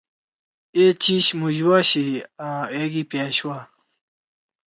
اے چیِش مُوشوا چھی آں ایگی پأش وا۔